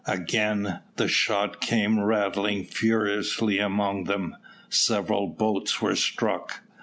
Again the shot came rattling furiously among them. Several boats were struck.